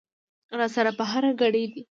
را سره په هر ګړي دي